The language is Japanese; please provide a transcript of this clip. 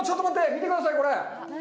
見てください、これ。